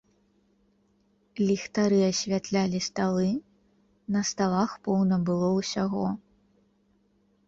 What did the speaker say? Ліхтары асвятлялі сталы, на сталах поўна было ўсяго.